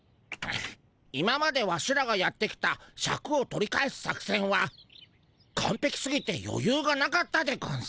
今までワシらがやってきたシャクを取り返す作せんはかんぺきすぎてよゆうがなかったでゴンス。